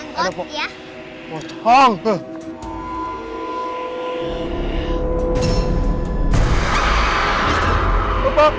iya ada apa ada angkot